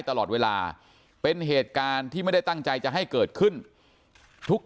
ตลอดเวลาเป็นเหตุการณ์ที่ไม่ได้ตั้งใจจะให้เกิดขึ้นทุก